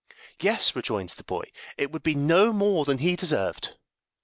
"Yes," rejoins the boy, "it would be no more than he deserved."